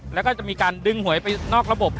แล้วก็จะมีการดึงหวยไปนอกระบบ